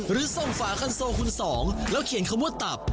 หรือส่งฝาคันโซคุณสองแล้วเขียนคำว่าตับ